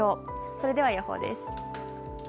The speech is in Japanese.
それでは予報です。